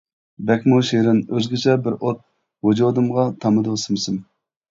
بەكمۇ شېرىن ئۆزگىچە بىر ئوت، ۋۇجۇدۇمغا تامىدۇ سىم-سىم.